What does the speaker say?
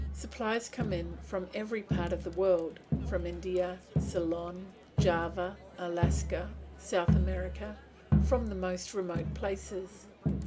Supplies come in from every part of the world, from India, Ceylon, Java, Alaska, South America, from the most remote places.